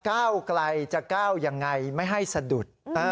ก้าวไกลจะก้าวยังไงไม่ให้สะดุด